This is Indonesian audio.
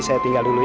sampai jumpa lagi